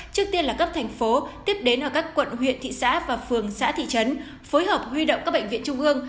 trước tiên là cấp thành phố tiếp đến ở các quận huyện thị xã và phường xã thị trấn phối hợp huy động các bệnh viện trung ương